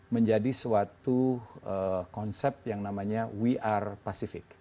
menjadi suatu konsep yang namanya we are pacific